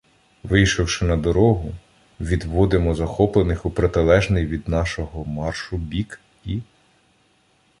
Вийшовши на дорогу, відводимо захоплених у протилежний від нашого маршу бік і.